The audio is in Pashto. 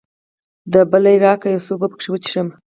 دبلی راکړه، یو څه اوبه پکښې وڅښم.